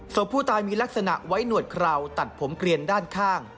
ศพผู้ตายมีลักษณะไว้หนวดคราวตัดผมเกลียนด้านข้าง